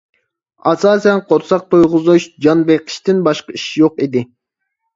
ئاساسەن قورساق تويغۇزۇش، جان بېقىشتىن باشقا ئىش يوق ئىدى.